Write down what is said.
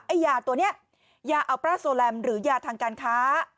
ยาตัวนี้ยาอัลปราโซแลมหรือยาทางการค้า